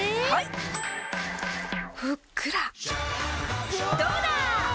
ふっくらどうだわ！